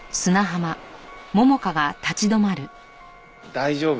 大丈夫。